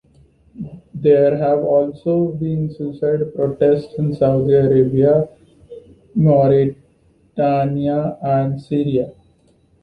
There have also been suicide protests in Saudi Arabia, Mauritania, and Syria.